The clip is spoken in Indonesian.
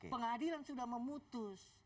pengadilan sudah memutus